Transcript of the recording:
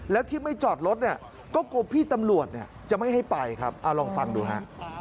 แล้วที่ไม่จอดรถเนี่ยก็กลัวพี่ตำรวจเนี่ยจะไม่ให้ไปครับเอาลองฟังดูฮะ